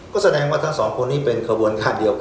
ก็แสดงว่าทั้งสองคนนี้เป็นขบวนคาดเดียวกัน